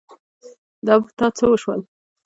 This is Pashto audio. دا په تا څه وشول ؟